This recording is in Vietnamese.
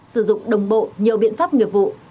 sử dụng đồng bộ nhiều biện pháp nghiệp vụ